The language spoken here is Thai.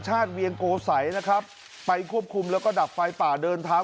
เวียงโกสัยนะครับไปควบคุมแล้วก็ดับไฟป่าเดินเท้า